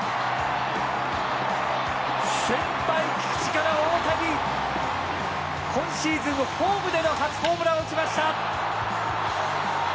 先輩菊池から大谷今シーズンホームでの初ホームランを打ちました！